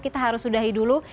kita harus sudahi dulu